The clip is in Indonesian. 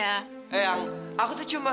eh eyang aku tuh cuma